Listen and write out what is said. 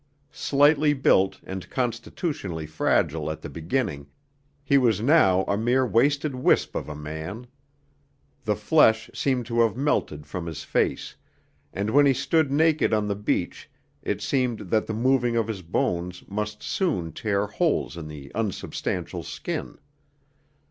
Slightly built and constitutionally fragile at the beginning, he was now a mere wasted wisp of a man. The flesh seemed to have melted from his face, and when he stood naked on the beach it seemed that the moving of his bones must soon tear holes in the unsubstantial skin.